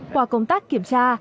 qua công tác kiểm tra